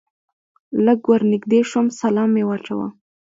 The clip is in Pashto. لږ ور نږدې شوم سلام مې واچاوه.